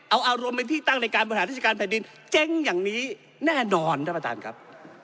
เอาอารมณ์เป็นที่ตั้งในการบริหารราชการแผ่นดินเจ๊งอย่างนี้แน่นอนท่านประธานครับ